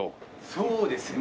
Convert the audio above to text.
そうですね。